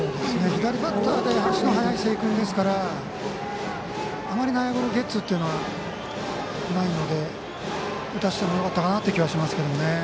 左バッターで足の速い瀬井君ですからあまり、内野ゴロゲッツーというのはないので打たせてもいいかなと思いますけどね。